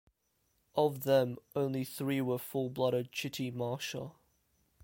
Of them, only three were full-blooded Chitimacha.